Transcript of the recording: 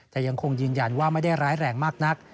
แต่ยังคงยืนยันว่าไม่ได้ร้ายแรงมากนัก